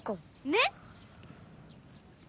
ねっ！